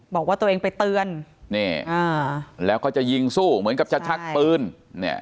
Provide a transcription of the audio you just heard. บอกว่าตัวเองไปเตือนนี่อ่าแล้วก็จะยิงสู้เหมือนกับจะชักปืนเนี่ย